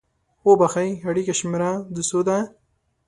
اوبښئ! اړیکې شمیره د څو ده؟